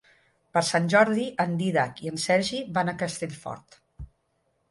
Per Sant Jordi en Dídac i en Sergi van a Castellfort.